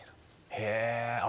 へえ。